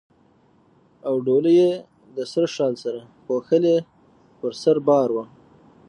او ډولۍ یې د سره شال سره پوښلې پر سر بار وه.